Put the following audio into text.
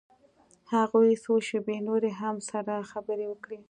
هغوى څو شېبې نورې هم سره خبرې وکړې.